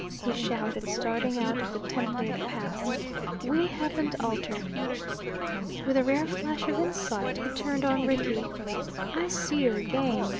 he shouted, starting out of the temperate past. "We haven't altered." With a rare flash of insight he turned on Rickie. "I see your game.